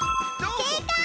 せいかい！